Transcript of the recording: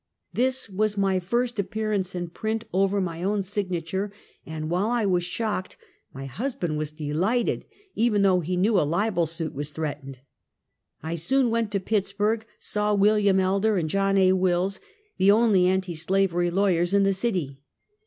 This was my first appearance in print over my own signa ture, and while I was shocked, my husband was de liglited, even though he knew a libel suit was threat ened. I soon went to Pittsburg, saw "William Elder and John A. Wills, the only anti slavery lawyers in tlie city.